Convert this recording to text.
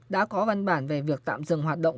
đã có văn bản về việc tạm dừng hoạt động